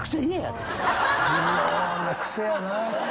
微妙なクセやな。